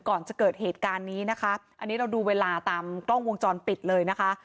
ก่อนจะเกิดเหตุการณ์นี้นะคะอันนี้เราดูเวลาตามกล้องวงจรปิดเลยนะคะ